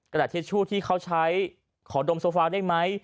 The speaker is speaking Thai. กระดาษเทชูที่เค้าใช้ขอดมโซฟาได้มั้ย